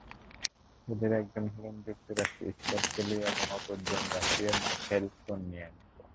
এঁদের একজন হলেন যুক্তরাষ্ট্রের স্কট কেলি এবং অপরজন রাশিয়ার মিখাইল কর্নিএনকো।